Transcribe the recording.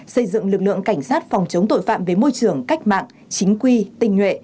xây dựng lực lượng cảnh sát phòng chống tội phạm với môi trường cách mạng chính quy tình nguyện